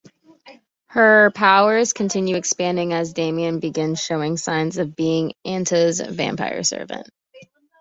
Her powers continue expanding, as Damian begins showing signs of being Anita's vampire servant.